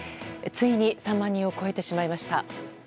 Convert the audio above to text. ついに３万人を超えてしまいました。